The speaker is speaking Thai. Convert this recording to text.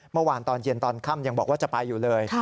เมื่อวานตอนเย็นตอนค่ำยังบอกว่าจะไปอยู่เลย